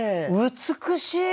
美しい！